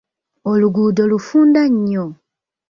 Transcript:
Oluguudo lufunda nnyo.